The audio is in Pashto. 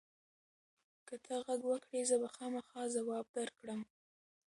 که ته غږ وکړې، زه به خامخا ځواب درکړم.